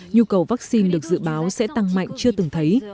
nhu cầu vaccine được dự báo sẽ tăng mạnh chưa từng thấy